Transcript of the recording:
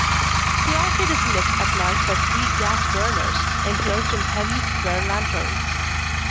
The arcade is lit at night by three gas burners, enclosed in heavy square lanterns.